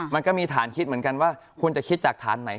มันก็มีฐานคิดเหมือนกันว่าคุณจะคิดจากฐานไหน